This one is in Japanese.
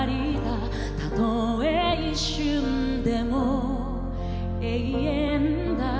「たとえ一瞬でも永遠だ」